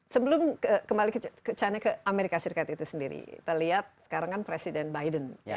sebelum kembali ke china ke amerika serikat itu sendiri kita lihat sekarang kan presiden biden